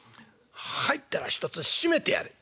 入ったらひとつ閉めてやれ」。